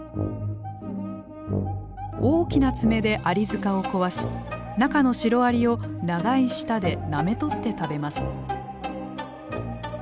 大きな爪でアリ塚を壊し中のシロアリを長い舌でなめ取って食べます。